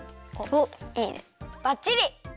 おっいいねばっちり！